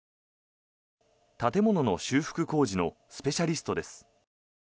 建物の修復工事のスペシャリストです。